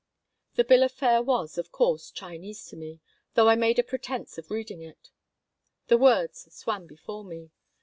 The bill of fare was, of course, Chinese to me, though I made a pretense of reading it. The words swam before me.